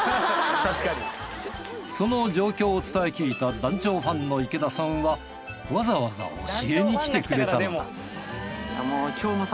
その状況を伝え聞いた団長ファンの池田さんはわざわざ教えに来てくれたのだなんでしょう？